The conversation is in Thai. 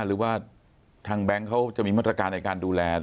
หรือว่าทางแบงค์เขาจะมีมาตรการในการดูแล